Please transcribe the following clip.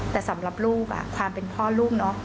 แต่สำหรับลูกความเป็นพ่อลูกเนอะ